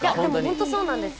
本当にそうなんです。